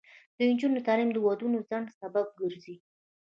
د نجونو تعلیم د ودونو ځنډ سبب ګرځي.